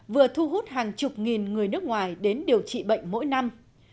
vừa thu hút hàng chục nghìn người nước ngoài đến điều trị bệnh mỗi năm